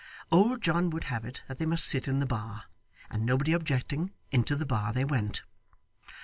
Old John would have it that they must sit in the bar, and nobody objecting, into the bar they went.